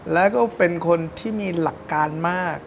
แล้วก็เป็นคนที่มีหลักการมาก